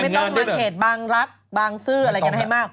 ไม่ต้องมาเขตบางรักบางซื่ออะไรกันให้มาก